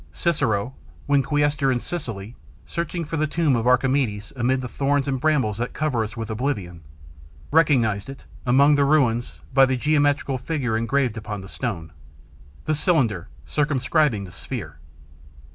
Cicero, when quaestor in Sicily, searching for the tomb of Archimedes amid the thorns and brambles that cover us with oblivion, recognized it, among the ruins, by the geometrical figure engraved upon the stone: the cylinder circumscribing the sphere.